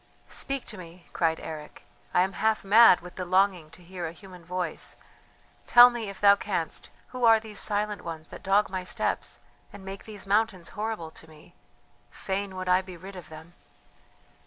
"Speak to me," cried Eric. "I am half mad with the longing to hear a human voice. Tell me, if thou canst, who are these silent ones that dog my steps, and make these mountains horrible to me? Fain would I be rid of them!"